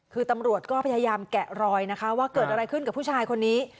คือตำรวจก็พยายามแกะรอยนะคะว่าเกิดอะไรขึ้นกับผู้ชายคนนี้